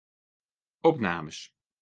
Opnames.